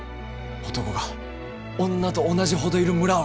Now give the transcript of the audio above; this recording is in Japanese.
男が女と同じほどいる村を！